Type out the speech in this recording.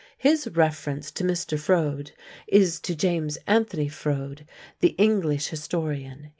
His reference to Mr. Froude is to James Anthony Froude, the English historian.